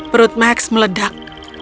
perut max meledak